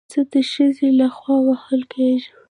زه د ښځې له خوا وهل کېږم